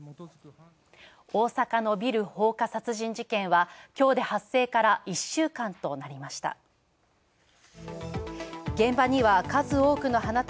大阪のビル放火殺人事件はきょうで発生から１週間となりました。